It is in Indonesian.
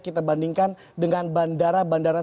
kita bandingkan dengan bandara bandara